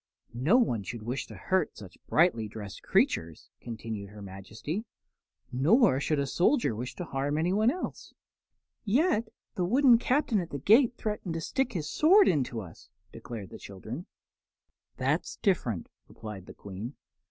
"No one should wish to hurt such brightly dressed creatures," continued her Majesty, "nor should a soldier wish to harm anyone else." "Yet the wooden Captain at the gate threatened to stick his sword into us," declared the child. "That's different," replied the Queen.